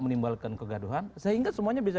menimbulkan kegaduhan sehingga semuanya bisa